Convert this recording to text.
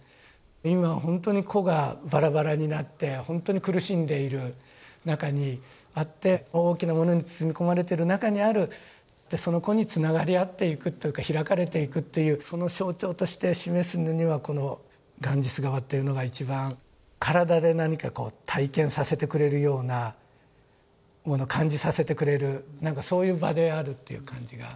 今ほんとに個がバラバラになってほんとに苦しんでいる中にあって大きなものに包み込まれてる中にあるその個につながり合っていくというか開かれていくというその象徴として示すのにはこのガンジス河というのが一番体で何かこう体験させてくれるようなもの感じさせてくれる何かそういう場であるという感じがしますね。